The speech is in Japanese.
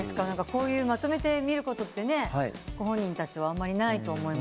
こういうまとめて見ることってねご本人たちはあんまりないと思いますけれども。